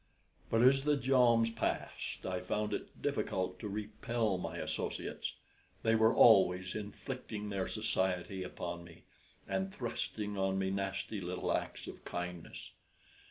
But as the joms passed I found it difficult to repel my associates. They were always inflicting their society upon me, and thrusting on me nasty little acts of kindness.